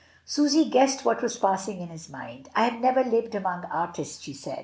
Susy guessed what was passing in his mind. "I have never lived among artists," she said.